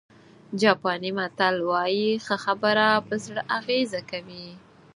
جاپاني متل وایي ښه خبره په زړه اغېزه کوي.